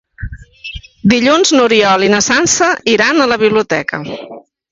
Dilluns n'Oriol i na Sança iran a la biblioteca.